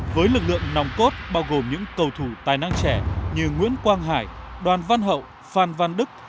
với lực lượng nòng cốt bao gồm những cầu thủ tài năng trẻ như nguyễn quang hải đoàn văn hậu phan văn đức